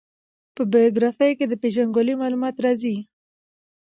په بېوګرافي کښي د پېژندګلوي معلومات راځي.